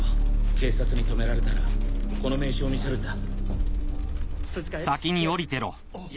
警察に止められたらこの名刺を見せるんだ。